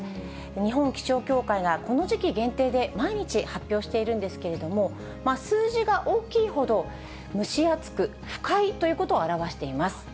日本気象協会がこの時期限定で毎日発表しているんですけれども、数字が大きいほど蒸し暑く不快ということを表しています。